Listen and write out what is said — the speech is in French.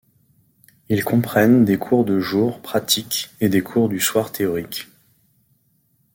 Ils comprennent des cours de jour pratiques et des cours du soir théoriques.